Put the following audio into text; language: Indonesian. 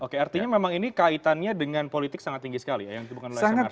oke artinya memang ini kaitannya dengan politik sangat tinggi sekali